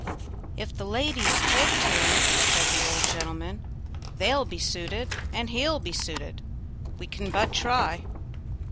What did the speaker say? "If the ladies take to him," said the old gentleman, "they'll be suited and he'll be suited. We can but try."